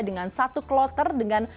dengan satu kloter dengan